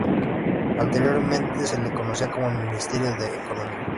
Anteriormente se la conocía como el "Ministerio de Economía".